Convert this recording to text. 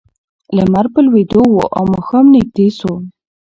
لمر په لوېدو و او ماښام نږدې شو.